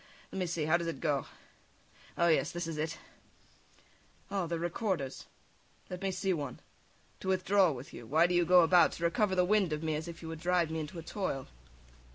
. Let me see, how does it go? Oh, yes, this is it. [Takes the part of Hamlet] "O! the recorders, let me see one. To withdraw with you. Why do you go about to recover the wind of me, as if you would drive me into a toil?"